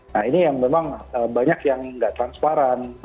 nah ini yang memang banyak yang nggak transparan